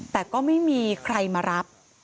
แต่ก็ไม่มีใครมารับ